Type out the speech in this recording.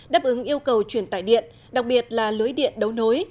đáp ứng yêu cầu truyền tải điện đặc biệt là lưới điện đấu nối